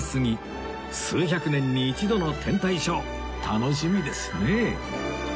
数百年に一度の天体ショー楽しみですね